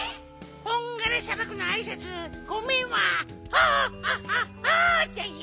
ホンガラさばくのあいさつ「ごめん」は「ホホッホッホ！」だよ。